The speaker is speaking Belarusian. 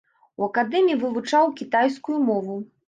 У акадэміі вывучаў кітайскую мову.